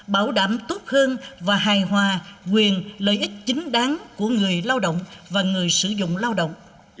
bảo đảm tốt hơn và hài hòa quyền lợi ích chính đáng của người lao động và người sử dụng lao động